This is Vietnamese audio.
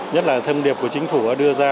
nhất là thâm điệp của chính phủ đưa ra